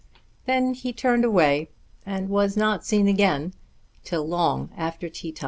Then he turned away, and was not seen again till long after tea time.